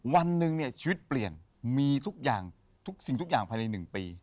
วันหนึ่งเนี่ยชีวิตเปลี่ยนมีทุกอย่างทุกสิ่งทุกอย่างภายใน๑ปี